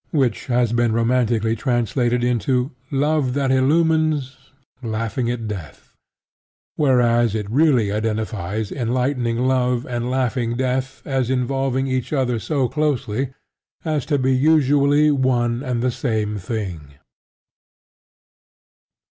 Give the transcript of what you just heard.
which has been romantically translated into "Love that illumines, laughing at Death," whereas it really identifies enlightening love and laughing death as involving each other so closely as to be usually one and the same thing.